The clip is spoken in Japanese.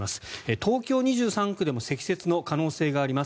東京２３区でも積雪の可能性があります。